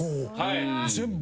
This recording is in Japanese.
全部。